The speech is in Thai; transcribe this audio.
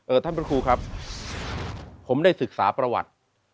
เอ่อท่านพระครูครับผมได้ศึกษาประวัติ